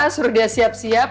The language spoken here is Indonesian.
suruh dia siap siap